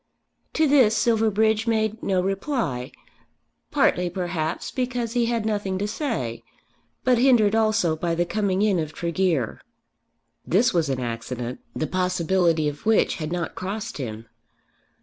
To this Silverbridge made no reply; partly perhaps because he had nothing to say, but hindered also by the coming in of Tregear. This was an accident, the possibility of which had not crossed him.